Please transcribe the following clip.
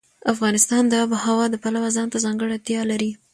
افغانستان د آب وهوا د پلوه ځانته ځانګړتیا لري.